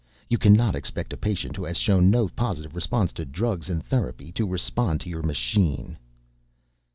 "You cannot expect a patient who has shown no positive response to drugs and therapy to respond to your machine."